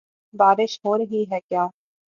بارش ہو رہی ہے کیا؟